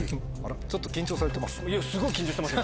ちょっと緊張されてます？